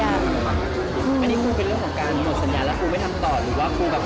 อันนี้ครูเป็นเรื่องของการหมดสัญญาแล้วครูไม่ทำต่อหรือว่าครูแบบ